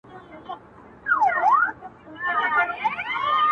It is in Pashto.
كه لاسونه مي پرې كېږي سترگي نه وي؛